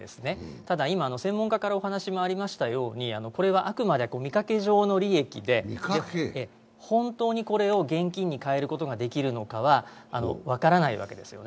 ただ今専門家からお話がありましたように、これはあくまでも見かけ上の利益で本当にこれを現金に変えることができるのかは分からないわけです。